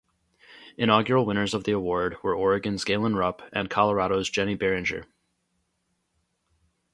Inaugural winners of the award were Oregon's Galen Rupp and Colorado's Jenny Barringer.